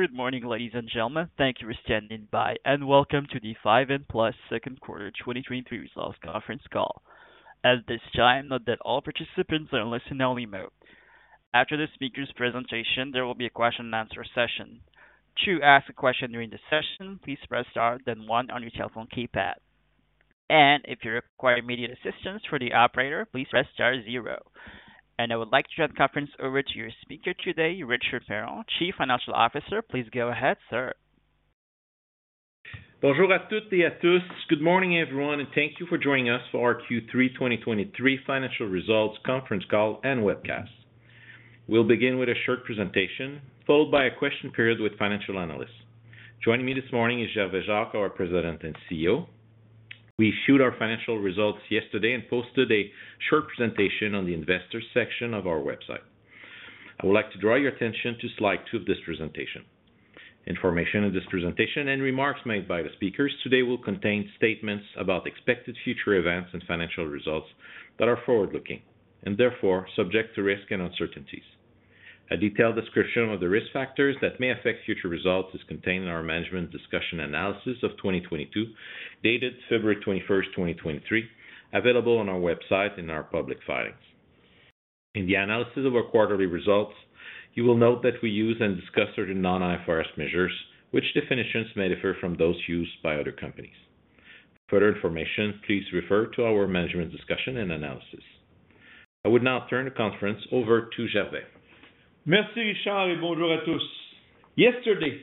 Good morning, ladies and gentlemen. Thank you for standing by, and welcome to the 5N Plus second quarter 2023 results conference call. At this time, note that all participants are in listen-only mode. After the speaker's presentation, there will be a question and answer session. To ask a question during the session, please press Star, then 1 on your telephone keypad. If you require immediate assistance from the operator, please press star 0. I would like to turn the conference over to your speaker today, Richard Perron, Chief Financial Officer. Please go ahead, sir. Bonjour, à toutes et à tous. Good morning, everyone. Thank you for joining us for our Q3 2023 financial results conference call and webcast. We'll begin with a short presentation, followed by a question period with financial analysts. Joining me this morning is Gervais Jacques, our President and CEO. We issued our financial results yesterday and posted a short presentation on the investors section of our website. I would like to draw your attention to slide 2 of this presentation. Information in this presentation and remarks made by the speakers today will contain statements about expected future events and financial results that are forward-looking, and therefore subject to risk and uncertainties. A detailed description of the risk factors that may affect future results is contained in our management discussion analysis of 2022, dated February 21st, 2023, available on our website in our public filings. In the analysis of our quarterly results, you will note that we use and discuss certain non-IFRS measures, which definitions may differ from those used by other companies. For further information, please refer to our management discussion and analysis. I would now turn the conference over to Gervais. Merci, Richard, bonjour à tous. Yesterday,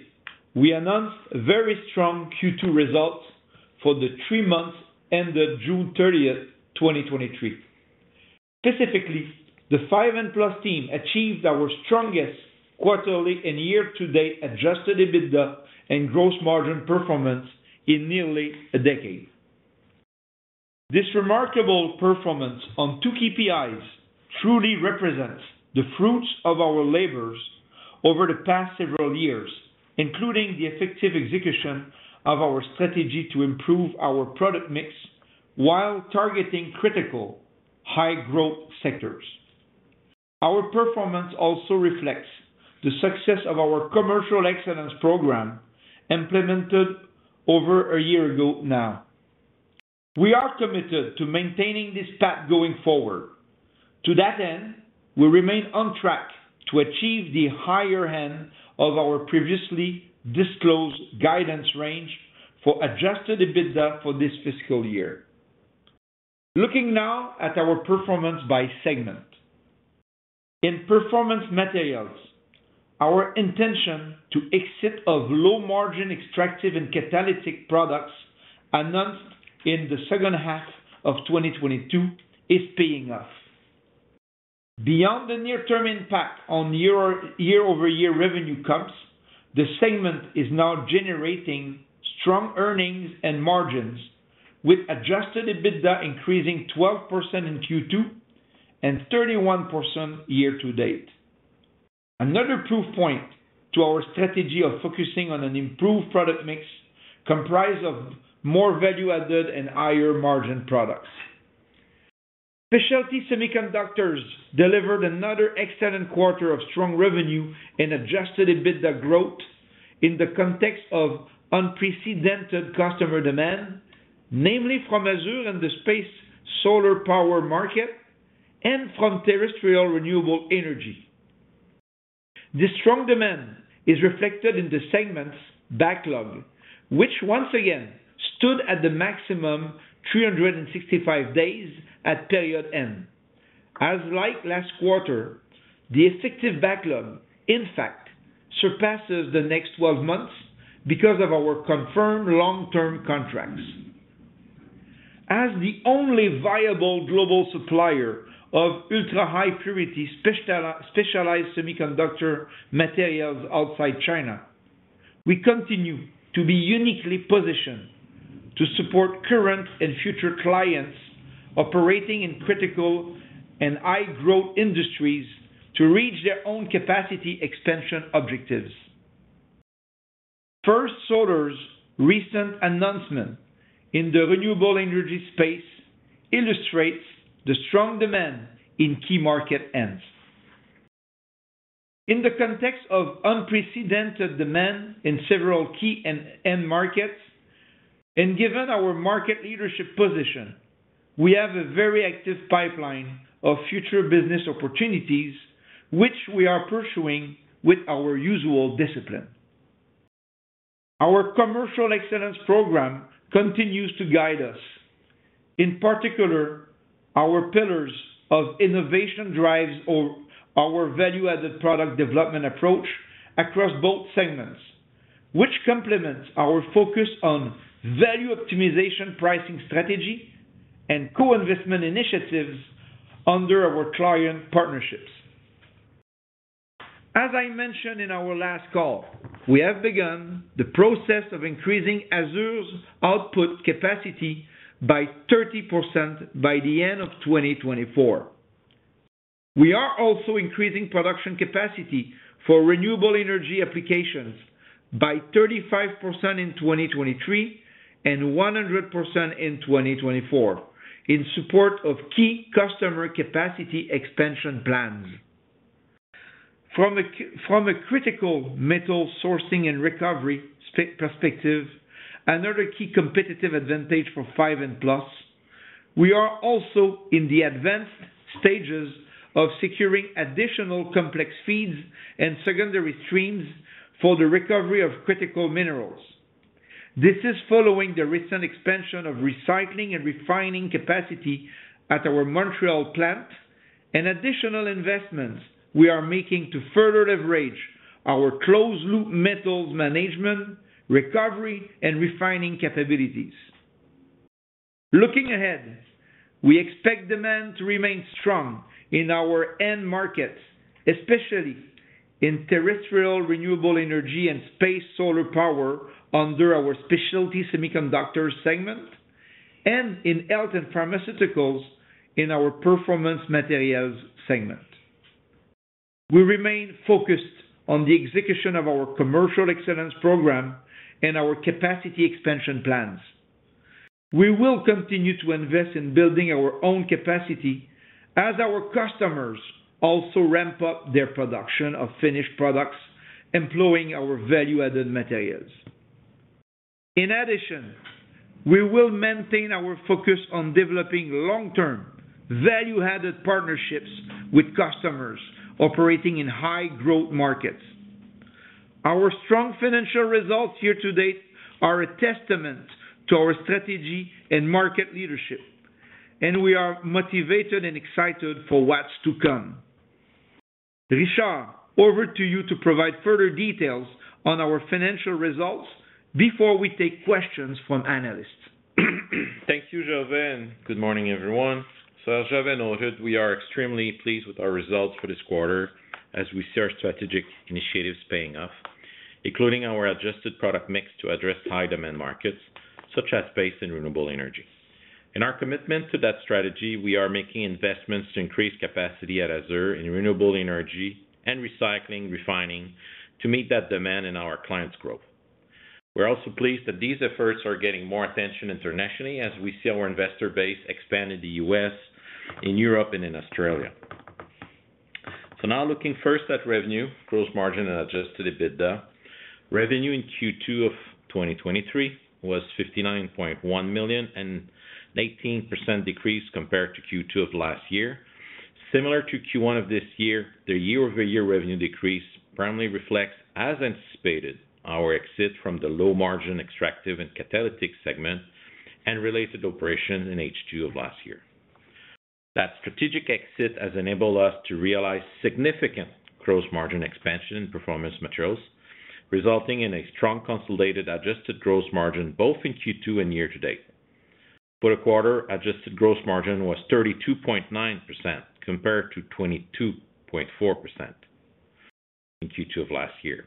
we announced very strong Q2 results for the three months ended June 30, 2023. Specifically, the 5N Plus team achieved our strongest quarterly and year-to-date Adjusted EBITDA and gross margin performance in nearly a decade. This remarkable performance on two KPIs truly represents the fruits of our labors over the past several years, including the effective execution of our strategy to improve our product mix while targeting critical high-growth sectors. Our performance also reflects the success of our commercial excellence program, implemented over a year ago now. We are committed to maintaining this path going forward. To that end, we remain on track to achieve the higher end of our previously disclosed guidance range for Adjusted EBITDA for this fiscal year. Looking now at our performance by segment. In Performance Materials, our intention to exit of low-margin extractive and catalytic products announced in the second half of 2022 is paying off. Beyond the near-term impact on year-over-year revenue comps, the segment is now generating strong earnings and margins, with Adjusted EBITDA increasing 12% in Q2 and 31% year-to-date. Another proof point to our strategy of focusing on an improved product mix comprised of more value added and higher-margin products. Specialty Semiconductors delivered another excellent quarter of strong revenue and Adjusted EBITDA growth in the context of unprecedented customer demand, namely from AZUR and the space solar power market and from terrestrial renewable energy. This strong demand is reflected in the segment's backlog, which once again stood at the maximum 365 days at period end. As like last quarter, the effective backlog, in fact, surpasses the next 12 months because of our confirmed long-term contracts. As the only viable global supplier of ultrahigh purity special, specialized semiconductor materials outside China, we continue to be uniquely positioned to support current and future clients operating in critical and high-growth industries to reach their own capacity expansion objectives. First Solar's recent announcement in the renewable energy space illustrates the strong demand in key market ends. Given our market leadership position, we have a very active pipeline of future business opportunities, which we are pursuing with our usual discipline. Our commercial excellence program continues to guide us, in particular, our pillars of innovation drives our value-added product development approach across both segments, which complements our focus on value optimization, pricing, strategy, and co-investment initiatives under our client partnerships. As I mentioned in our last call, we have begun the process of increasing AZUR's output capacity by 30% by the end of 2024. We are also increasing production capacity for renewable energy applications by 35% in 2023, and 100% in 2024, in support of key customer capacity expansion plans. From a critical metal sourcing and recovery perspective, another key competitive advantage for 5N Plus, we are also in the advanced stages of securing additional complex feeds and secondary streams for the recovery of critical minerals. This is following the recent expansion of recycling and refining capacity at our Montreal plant, and additional investments we are making to further leverage our closed-loop metals management, recovery, and refining capabilities. Looking ahead, we expect demand to remain strong in our end markets, especially in terrestrial, renewable energy, and space solar power under our Specialty Semiconductors segment, and in health and pharmaceuticals in our Performance Materials segment. We remain focused on the execution of our commercial excellence program and our capacity expansion plans. We will continue to invest in building our own capacity as our customers also ramp up their production of finished products employing our value-added materials. In addition, we will maintain our focus on developing long-term, value-added partnerships with customers operating in high-growth markets. Our strong financial results here to date are a testament to our strategy and market leadership, and we are motivated and excited for what's to come. Richard, over to you to provide further details on our financial results before we take questions from analysts. Thank you, Gervais, and good morning, everyone. As Gervais noted, we are extremely pleased with our results for this quarter as we see our strategic initiatives paying off, including our adjusted product mix to address high-demand markets, such as space and renewable energy. In our commitment to that strategy, we are making investments to increase capacity at AZUR in renewable energy and recycling, refining to meet that demand in our clients' growth. We're also pleased that these efforts are getting more attention internationally as we see our investor base expand in the U.S., in Europe, and in Australia. Now looking first at revenue, gross margin, and adjusted EBITDA. Revenue in Q2 of 2023 was $59.1 million, an 18% decrease compared to Q2 of last year. Similar to Q1 of this year, the year-over-year revenue decrease primarily reflects, as anticipated, our exit from the low-margin extractive and catalytic products and related operations in H2 of last year. That strategic exit has enabled us to realize significant gross margin expansion in Performance Materials, resulting in a strong consolidated adjusted gross margin, both in Q2 and year to date. For the quarter, adjusted gross margin was 32.9% compared to 22.4% in Q2 of last year,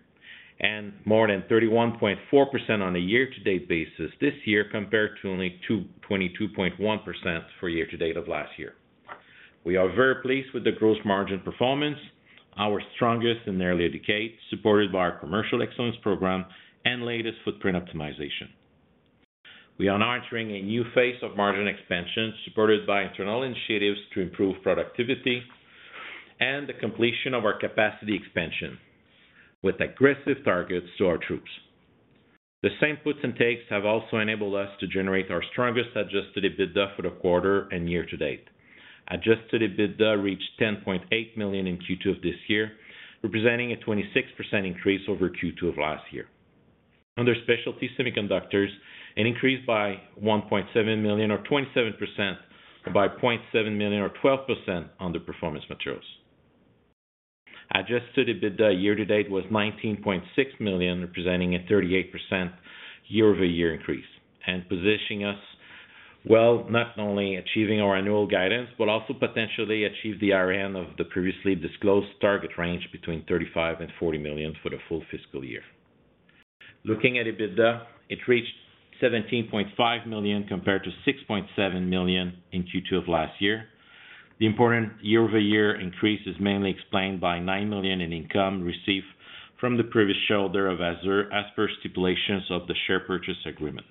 and more than 31.4% on a year-to-date basis this year, compared to only 22.1 for year to date of last year. We are very pleased with the gross margin performance, our strongest in nearly a decade, supported by our commercial excellence program and latest footprint optimization. We are now entering a new phase of margin expansion, supported by internal initiatives to improve productivity and the completion of our capacity expansion, with aggressive targets to our troops. The same puts and takes have also enabled us to generate our strongest Adjusted EBITDA for the quarter and year-to-date. Adjusted EBITDA reached $10.8 million in Q2 of this year, representing a 26% increase over Q2 of last year. Under Specialty Semiconductors, it increased by $1.7 million or 27%, and by $0.7 million or 12% on the Performance Materials. Adjusted EBITDA year-to-date was $19.6 million, representing a 38% year-over-year increase. Positioning us well, not only achieving our annual guidance, but also potentially achieve the RN of the previously disclosed target range between $35 million and $40 million for the full fiscal year. Looking at EBITDA, it reached $17.5 million, compared to $6.7 million in Q2 of last year. The important year-over-year increase is mainly explained by $9 million in income received from the previous shareholder of AZUR, as per stipulations of the share purchase agreement.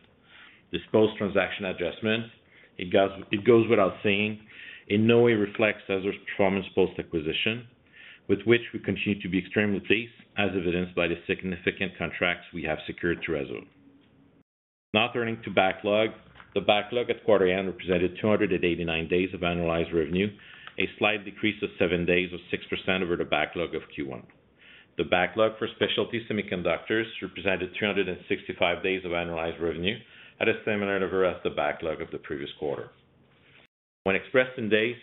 Disposed transaction adjustment, it goes without saying, in no way reflects AZUR's performance post-acquisition, with which we continue to be extremely pleased, as evidenced by the significant contracts we have secured through AZUR. Now turning to backlog. The backlog at quarter end represented 289 days of annualized revenue, a slight decrease of 7 days or 6% over the backlog of Q1. The backlog for Specialty Semiconductors represented 365 days of annualized revenue, at a similar to rest the backlog of the previous quarter. When expressed in days,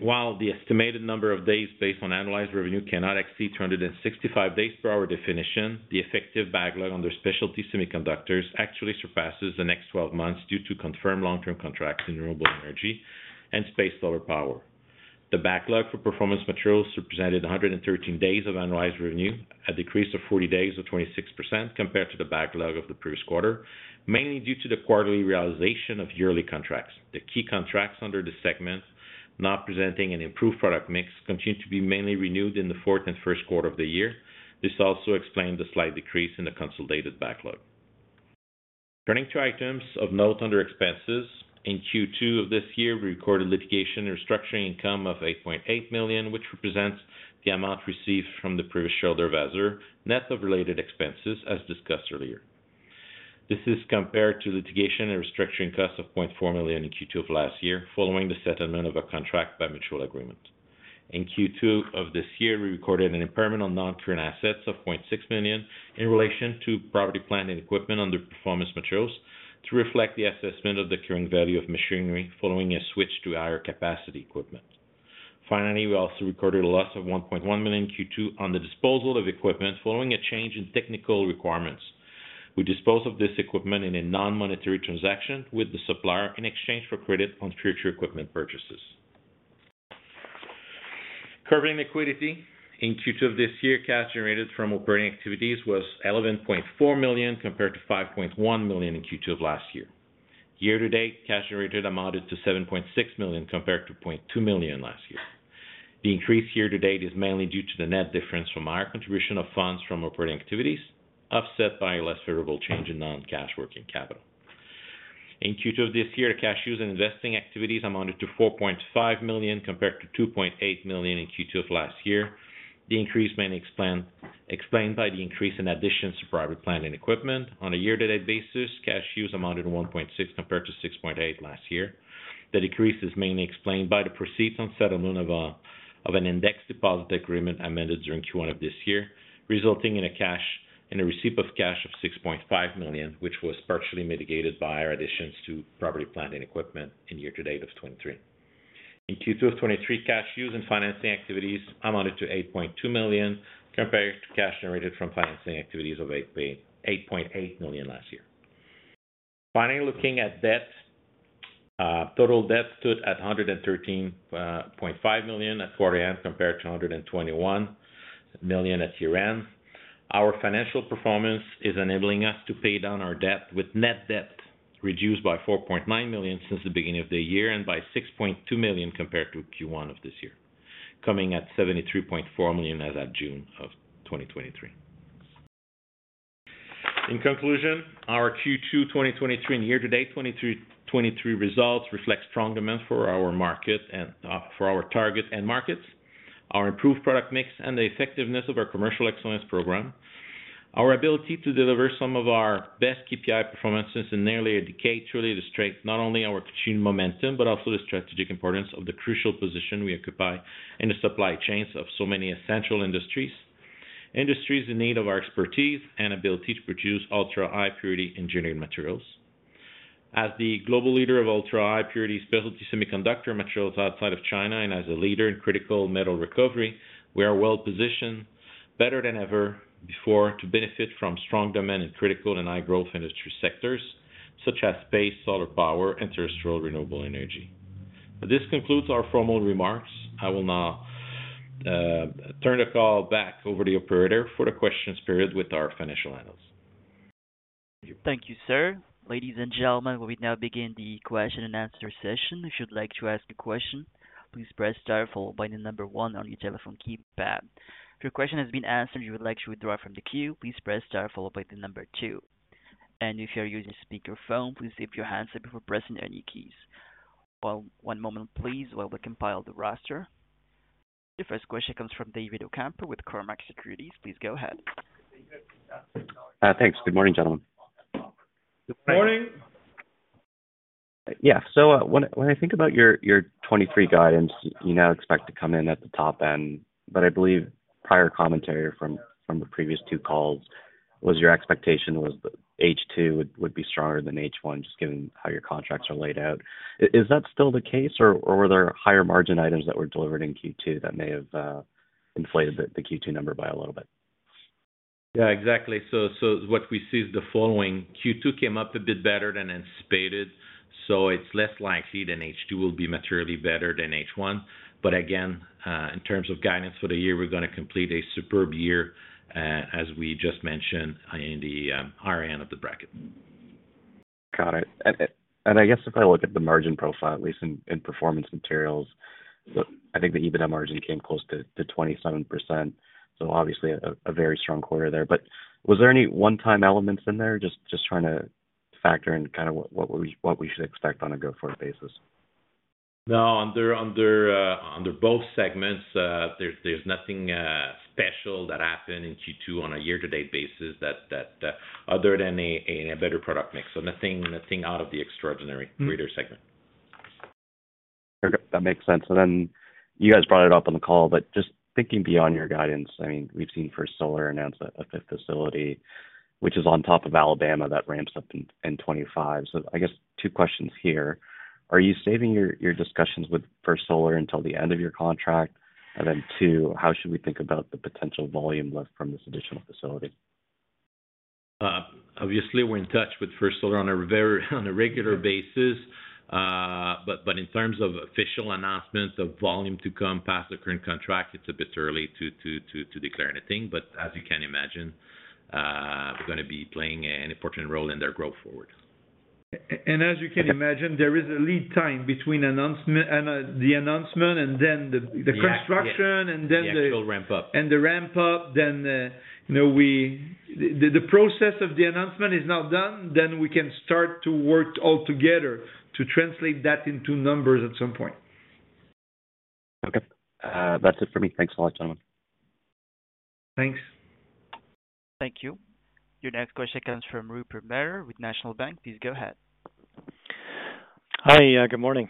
while the estimated number of days based on analyzed revenue cannot exceed 265 days per our definition, the effective backlog on their Specialty Semiconductors actually surpasses the next 12 months due to confirmed long-term contracts in renewable energy and space solar power. The backlog for Performance Materials represented 113 days of analyzed revenue, a decrease of 40 days or 26% compared to the backlog of the previous quarter, mainly due to the quarterly realization of yearly contracts. The key contracts under the segment, now presenting an improved product mix, continue to be mainly renewed in the fourth and first quarter of the year. This also explained the slight decrease in the consolidated backlog. Turning to items of note under expenses. In Q2 of this year, we recorded litigation restructuring income of $8.8 million, which represents the amount received from the previous shareholder of AZUR, net of related expenses, as discussed earlier. This is compared to litigation and restructuring costs of $0.4 million in Q2 of last year, following the settlement of a contract by mutual agreement. In Q2 of this year, we recorded an impairment on non-current assets of $0.6 million in relation to property, plant, and equipment under Performance Materials, to reflect the assessment of the current value of machinery following a switch to higher capacity equipment. Finally, we also recorded a loss of $1.1 million in Q2 on the disposal of equipment following a change in technical requirements. We disposed of this equipment in a non-monetary transaction with the supplier in exchange for credit on future equipment purchases. Covering liquidity, in Q2 of this year, cash generated from operating activities was $11.4 million, compared to $5.1 million in Q2 of last year. Year-to-date, cash generated amounted to $7.6 million, compared to $0.2 million last year. The increase year-to-date is mainly due to the net difference from our contribution of funds from operating activities, offset by a less favorable change in non-cash working capital. In Q2 of this year, cash used in investing activities amounted to $4.5 million, compared to $2.8 million in Q2 of last year. The increase mainly explained by the increase in additions to private plant and equipment. On a year-to-date basis, cash used amounted to $1.6 million, compared to $6.8 million last year. The decrease is mainly explained by the proceeds on settlement of an indexed deposit agreement amended during Q1 of this year, resulting in a receipt of cash of $6.5 million, which was partially mitigated by our additions to property, plant, and equipment in year to date of 2023. In Q2 of 2023, cash used in financing activities amounted to $8.2 million, compared to cash generated from financing activities of $8.8 million last year. Finally, looking at debt. Total debt stood at $113.5 million at quarter end, compared to $121 million at year end. Our financial performance is enabling us to pay down our debt, with net debt reduced by $4.9 million since the beginning of the year and by $6.2 million compared to Q1 of this year, coming at $73.4 million as at June of 2023. In conclusion, our Q2 2023 and year-to-date 2023 results reflect strong demand for our market and for our target end markets, our improved product mix, and the effectiveness of our commercial excellence program. Our ability to deliver some of our best KPI performances in nearly a decade truly illustrates not only our continued momentum, but also the strategic importance of the crucial position we occupy in the supply chains of so many essential industries. Industries in need of our expertise and ability to produce ultrahigh purity engineered materials. As the global leader of ultrahigh purity specialty semiconductor materials outside of China, and as a leader in critical metal recovery, we are well positioned, better than ever before, to benefit from strong demand in critical and high-growth industry sectors such as space, solar power, and terrestrial renewable energy. This concludes our formal remarks. I will now turn the call back over to the operator for the questions period with our financial analysts. Thank you, sir. Ladies and gentlemen, we will now begin the question and answer session. If you'd like to ask a question, please press star followed by the number one on your telephone keypad. If your question has been answered, and you would like to withdraw from the queue, please press star followed by the number two. If you're using speakerphone, please mute your handset before pressing any keys. One moment, please, while we compile the roster. The first question comes from David Ocampo with Cormark Securities. Please go ahead. Thanks. Good morning, gentlemen. Good morning! When I, when I think about your, your 2023 guidance, you now expect to come in at the top end. I believe prior commentary from, from the previous two calls was your expectation was that H2 would, would be stronger than H1, just given how your contracts are laid out. Is that still the case, or were there higher margin items that were delivered in Q2 that may have inflated the, the Q2 number by a little bit? Yeah, exactly. What we see is the following: Q2 came up a bit better than anticipated, so it's less likely that H2 will be materially better than H1. Again, in terms of guidance for the year, we're gonna complete a superb year, as we just mentioned, in the higher end of the bracket. Got it. I guess if I look at the margin profile, at least in Performance Materials, I think the EBITDA margin came close to 27%, so obviously a very strong quarter there. Was there any one-time elements in there? Just trying to factor in kind of what we should expect on a go-forward basis. No, under both segments, there's nothing special that happened in Q2 on a year-to-date basis that other than a better product mix. Nothing out of the extraordinary. Mm-hmm. For either segment. That makes sense. You guys brought it up on the call, but just thinking beyond your guidance, I mean, we've seen First Solar announce a fifth facility, which is on top of Alabama, that ramps up in 25. I guess two questions here: Are you saving your discussions with First Solar until the end of your contract? Two, how should we think about the potential volume lift from this additional facility? Obviously, we're in touch with First Solar on a very on a regular basis. In terms of official announcements of volume to come past the current contract, it's a bit early to declare anything. As you can imagine, we're gonna be playing an important role in their growth forward. As you can imagine, there is a lead time between announcement and the announcement and then the, the construction. The actual ramp up. The ramp up, then, you know, the process of the announcement is now done, then we can start to work all together to translate that into numbers at some point. Okay. That's it for me. Thanks a lot, gentlemen. Thanks. Thank you. Your next question comes from Rupert Mercer with National Bank. Please go ahead. Hi. Good morning.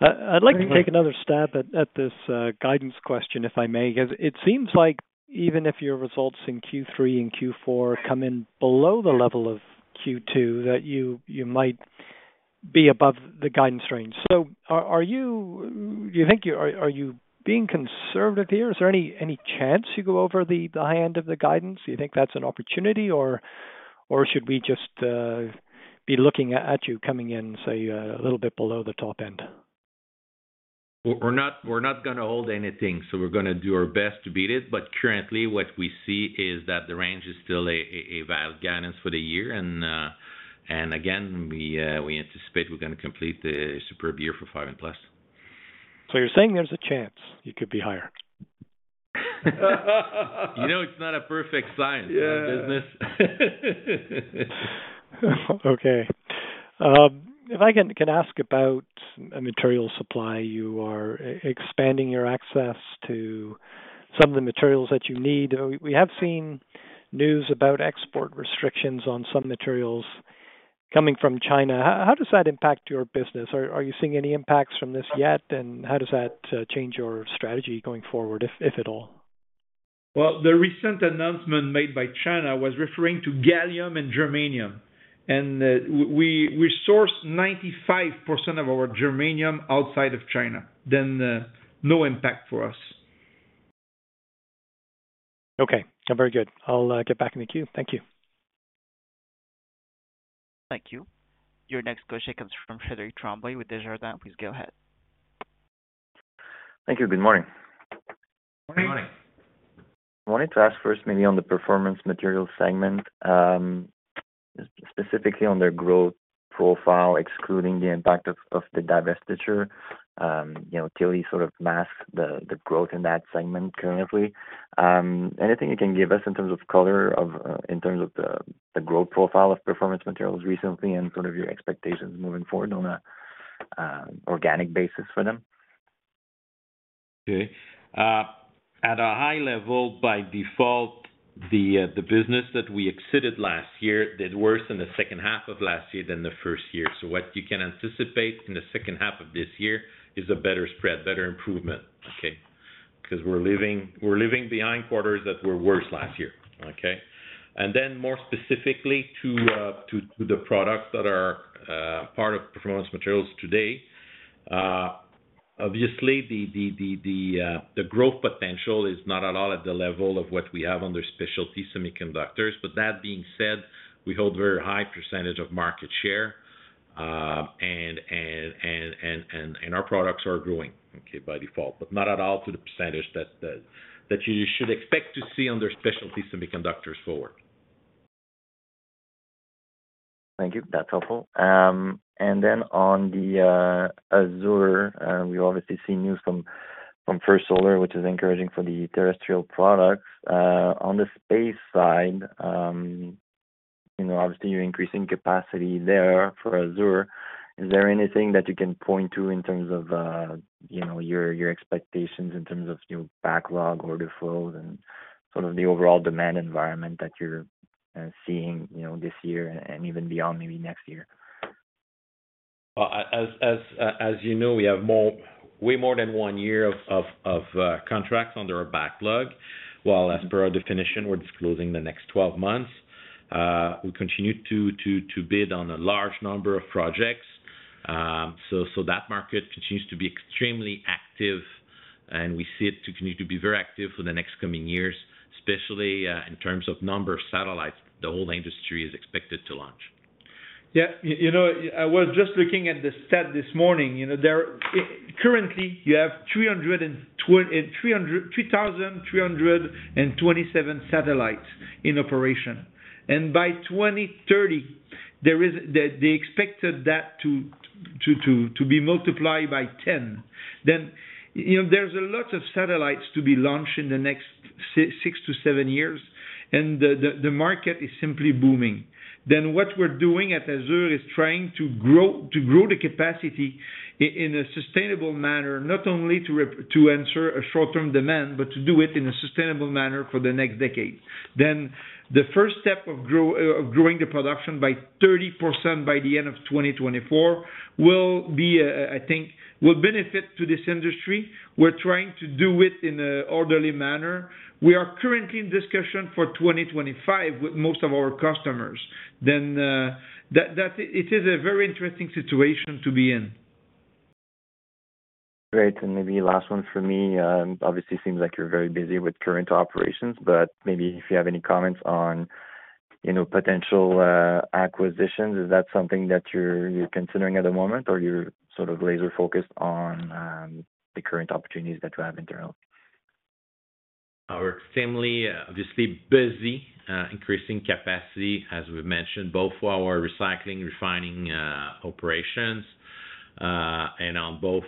I'd like to take another stab at this guidance question, if I may, because it seems like even if your results in Q3 and Q4 come in below the level of Q2, that you might be above the guidance range. Are you, do you think you are being conservative here? Is there any chance you go over the high end of the guidance? Do you think that's an opportunity, or should we just be looking at you coming in, say, a little bit below the top end? We're not, we're not gonna hold anything, so we're gonna do our best to beat it. Currently, what we see is that the range is still a valid guidance for the year, and again, we anticipate we're gonna complete a superb year for 5N Plus. You're saying there's a chance it could be higher? You know, it's not a perfect science, our business. Okay. If I can ask about a material supply, you are expanding your access to some of the materials that you need. We have seen news about export restrictions on some materials coming from China. How does that impact your business? Are you seeing any impacts from this yet? How does that change your strategy going forward, if at all? Well, the recent announcement made by China was referring to gallium and germanium. We source 95% of our germanium outside of China. No impact for us. Okay, very good. I'll get back in the queue. Thank you. Thank you. Your next question comes from Frederic Tremblay with Desjardins. Please go ahead. Thank you. Good morning. Good morning. Good morning. I wanted to ask first, maybe on the Performance Materials segment, specifically on their growth profile, excluding the impact of the divestiture. You know, Tilly sort of masked the growth in that segment currently. Anything you can give us in terms of color, in terms of the growth profile of Performance Materials recently and sort of your expectations moving forward on a organic basis for them? Okay. at a high level, by default, the, the business that we exited last year did worse in the second half of last year than the first year. What you can anticipate in the second half of this year is a better spread, better improvement, okay? We're living, we're leaving behind quarters that were worse last year, okay? Then more specifically to, to, to the products that are, part of Performance Materials today. Obviously, the, the, the, the, the growth potential is not at all at the level of what we have under Specialty Semiconductors. That being said, we hold very high percentage of market share, and, and, and, and, and our products are growing, okay, by default, but not at all to the percentage that, that, that you should expect to see on their Specialty Semiconductors forward. Thank you. That's helpful. Then on the AZUR, we obviously see news from, from First Solar, which is encouraging for the terrestrial products. On the space side, you know, obviously you're increasing capacity there for AZUR. Is there anything that you can point to in terms of, you know, your, your expectations in terms of, you know, backlog, order flows, and sort of the overall demand environment that you're seeing, you know, this year and even beyond maybe next year? Well, as you know, we have way more than 1 year of contracts under our backlog, while as per our definition, we're disclosing the next 12 months. We continue to bid on a large number of projects. That market continues to be extremely active, and we see it to continue to be very active for the next coming years, especially in terms of number of satellites the whole industry is expected to launch. Yeah. You know, I was just looking at the stat this morning. You know, currently, you have 3,327 satellites in operation. By 2030, they expected that to be multiplied by 10. You know, there's a lot of satellites to be launched in the next 6 to 7 years, and the market is simply booming. What we're doing at AZUR is trying to grow, to grow the capacity in a sustainable manner, not only to answer a short-term demand, but to do it in a sustainable manner for the next decade. The first step of growing the production by 30% by the end of 2024 will be, I think, will benefit to this industry. We're trying to do it in a orderly manner. We are currently in discussion for 2025 with most of our customers. That, it is a very interesting situation to be in. Great, maybe last one for me. Obviously, seems like you're very busy with current operations, but maybe if you have any comments on, you know, potential acquisitions, is that something that you're, you're considering at the moment, or you're sort of laser focused on, the current opportunities that you have internal?... Our family, obviously busy, increasing capacity, as we've mentioned, both for our recycling, refining, operations, and on both,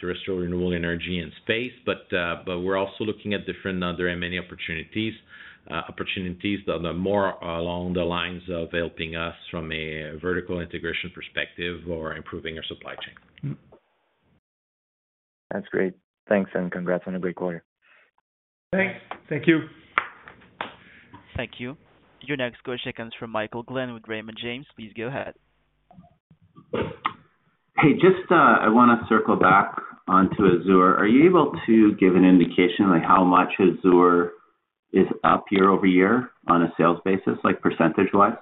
terrestrial, renewable energy and space. We're also looking at different other M&A opportunities, opportunities that are more along the lines of helping us from a vertical integration perspective or improving our supply chain. That's great. Thanks, and congrats on a great quarter. Thanks. Thank you. Thank you. Your next question comes from Michael Glen with Raymond James. Please go ahead. Hey, just, I want to circle back onto AZUR. Are you able to give an indication, like, how much AZUR is up year-over-year on a sales basis, like percentage-wise?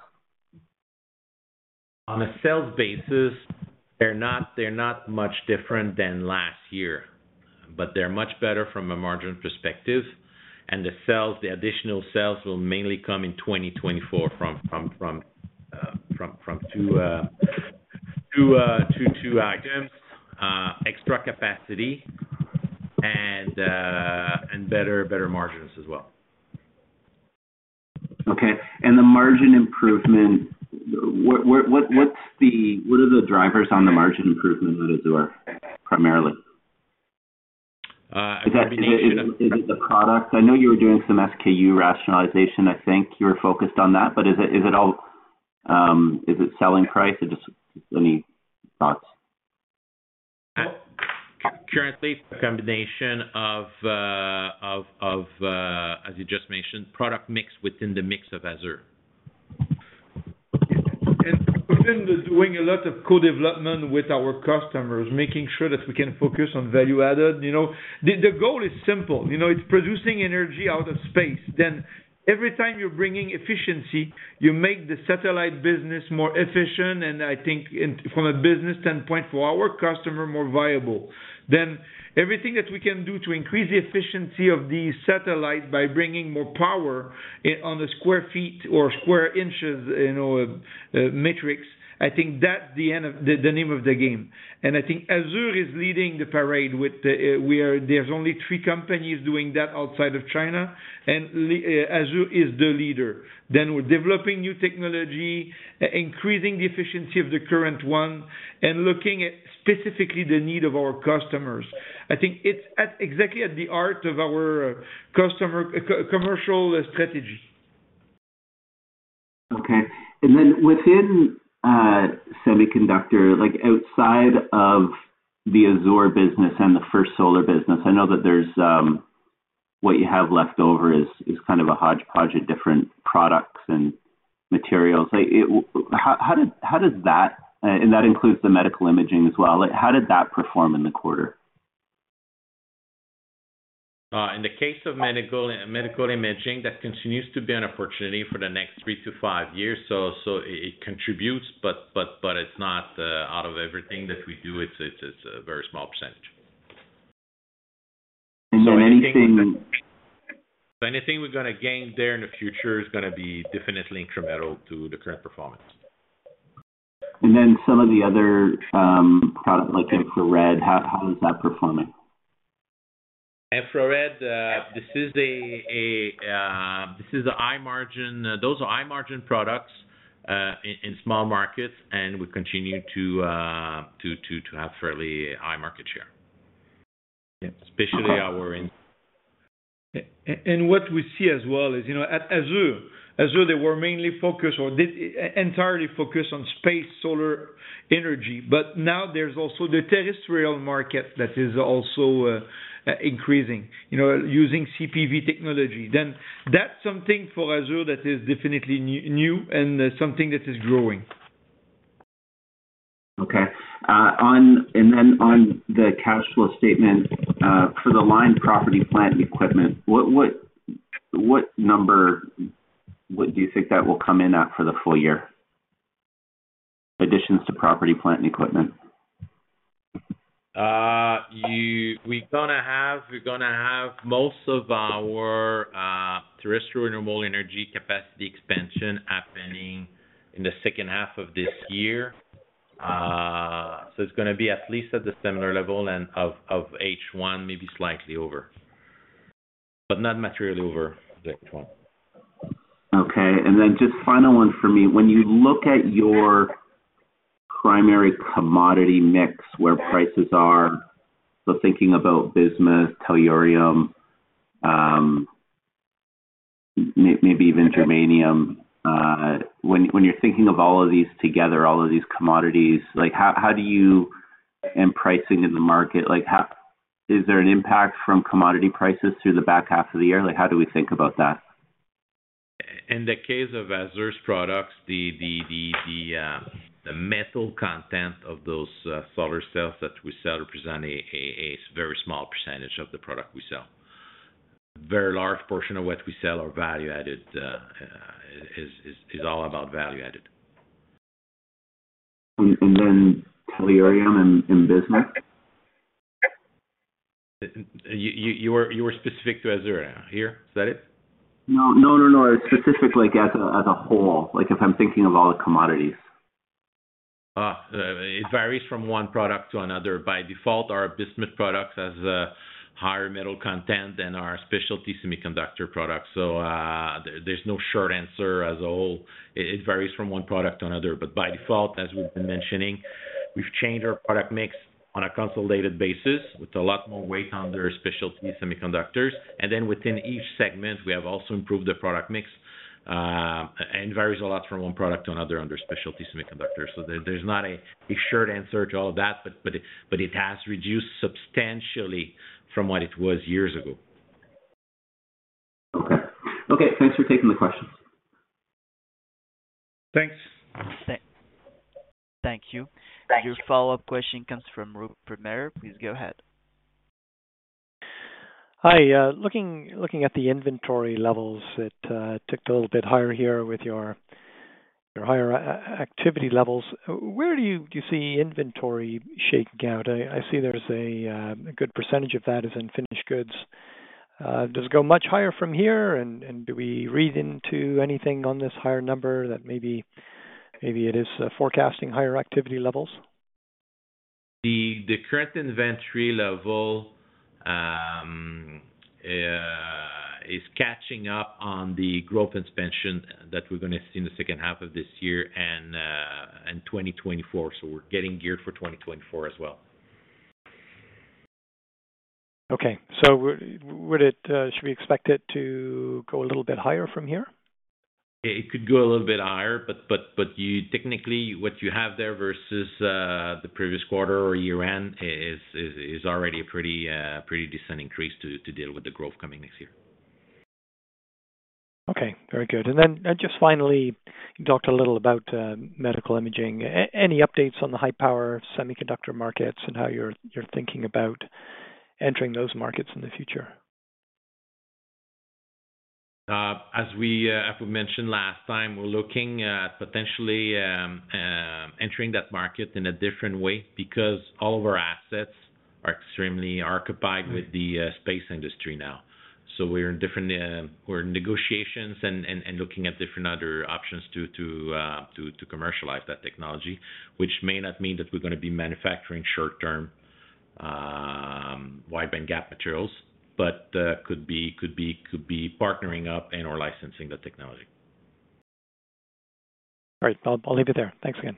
On a sales basis, they're not, they're not much different than last year, but they're much better from a margin perspective. The sales, the additional sales, will mainly come in 2024, from two items, extra capacity, and better margins as well. Okay. The margin improvement, what are the drivers on the margin improvement on AZUR, primarily? I mean- Is it the product? I know you were doing some SKU rationalization. I think you were focused on that, but is it, is it all, is it selling price or just any thoughts? Currently, combination of, as you just mentioned, product mix within the mix of Azur. Within doing a lot of co-development with our customers, making sure that we can focus on value-added. You know, the, the goal is simple. You know, it's producing energy out of space. Every time you're bringing efficiency, you make the satellite business more efficient, and I think in, from a business standpoint, for our customer, more viable. Everything that we can do to increase the efficiency of the satellite by bringing more power on the sq ft or square inches, you know, metrics, I think that's the name of the game. I think AZUR is leading the parade with the, There's only three companies doing that outside of China, and AZUR is the leader. We're developing new technology, increasing the efficiency of the current one, and looking at specifically the need of our customers. I think it's at, exactly at the heart of our customer, commercial strategy. Okay. Then within, semiconductor, like, outside of the AZUR business and the First Solar business, I know that there's, what you have left over is, is kind of a hodgepodge of different products and materials. Like, how does that, and that includes the medical imaging as well. Like, how did that perform in the quarter? In the case of medical, medical imaging, that continues to be an opportunity for the next three to five years. It contributes, but, but, but it's not out of everything that we do, it's, it's, it's a very small percentage. And so anything- Anything we're going to gain there in the future is going to be definitely incremental to the current performance. Then some of the other products, like infrared, how, how is that performing? Infrared, this is a high margin, those are high-margin products, in small markets, and we continue to have fairly high market share. Yeah, especially our in- What we see as well is, you know, at AZUR, AZUR, they were mainly focused on, entirely focused on space, solar energy, but now there's also the terrestrial market that is also increasing, you know, using CPV technology. That's something for AZUR that is definitely new, new, and something that is growing. On the cash flow statement, for the line property, plant, equipment, what number do you think that will come in at for the full year? Additions to property, plant, and equipment. We're going to have, we're going to have most of our terrestrial renewable energy capacity expansion happening in the second half of this year. It's going to be at least at the similar level and of, of H1, maybe slightly over, but not materially over the H1. Okay. Then just final one for me. When you look at your primary commodity mix, where prices are, so thinking about bismuth, tellurium, maybe even germanium, when you're thinking of all of these together, all of these commodities, like, In pricing in the market, like, Is there an impact from commodity prices through the back half of the year? Like, how do we think about that? In the case of AZUR's products, the metal content of those solar cells that we sell represent a very small percentage of the product we sell. Very large portion of what we sell are value-added, is all about value-added. Tellurium and bismuth? You were specific to AZUR here. Is that it? No, no, no, no. Specifically, like as a, as a whole, like if I'm thinking of all the commodities.... it varies from one product to another. By default, our bismuth product has a higher metal content than our Specialty Semiconductors products. There, there's no short answer as a whole. It, it varies from one product to another, but by default, as we've been mentioning, we've changed our product mix on a consolidated basis with a lot more weight under Specialty Semiconductors. Then within each segment, we have also improved the product mix, and varies a lot from one product to another under Specialty Semiconductors. There, there's not a, a short answer to all that, but, but it, but it has reduced substantially from what it was years ago. Okay. Okay, thanks for taking the questions. Thanks. Thank, thank you. Thank you. Your follow-up question comes from Rupert Merer. Please go ahead. Hi, looking at the inventory levels, it ticked a little bit higher here with your higher activity levels. Where do you see inventory shaking out? I see there's a good percentage of that is in finished goods. Does it go much higher from here? And do we read into anything on this higher number that maybe it is forecasting higher activity levels? The current inventory level is catching up on the growth expansion that we're gonna see in the second half of this year and 2024. We're getting geared for 2024 as well. Okay. Should we expect it to go a little bit higher from here? It could go a little bit higher, but you technically, what you have there versus, the previous quarter or year-end is already a pretty, pretty decent increase to deal with the growth coming next year. Okay, very good. Then, just finally, you talked a little about medical imaging. Any updates on the high-power semiconductor markets and how you're, you're thinking about entering those markets in the future? As we, as we mentioned last time, we're looking at potentially entering that market in a different way because all of our assets are extremely occupied with the space industry now. We're in different, we're in negotiations and, and, and looking at different other options to, to, to, to commercialize that technology, which may not mean that we're gonna be manufacturing short-term, wide bandgap materials, but, could be, could be, could be partnering up and/or licensing the technology. All right. I'll leave it there. Thanks again.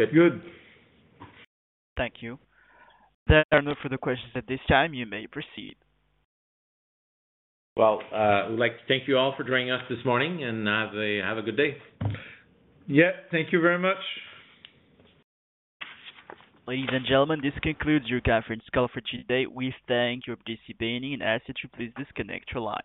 Okay, good. Thank you. There are no further questions at this time. You may proceed. Well, we'd like to thank you all for joining us this morning, and have a, have a good day. Yeah, thank you very much. Ladies and gentlemen, this concludes your conference call for today. We thank you for participating and ask that you please disconnect your line.